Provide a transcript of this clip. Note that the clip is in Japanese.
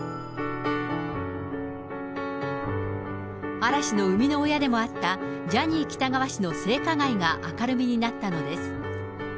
嵐の生みの親でもあったジャニー喜多川氏の性加害が明るみになったのです。